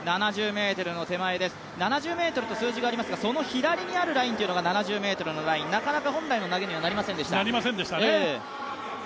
７０ｍという数字がありますがその左が７０ｍのライン、なかなか本来の投げにはなりませんでした。